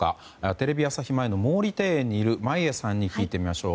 テレビ朝日前の毛利庭園にいる眞家さんに聞いてみましょう。